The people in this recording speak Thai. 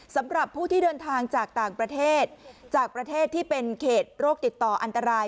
สำหรับผู้ที่เดินทางจากต่างประเทศจากประเทศที่เป็นเขตโรคติดต่ออันตราย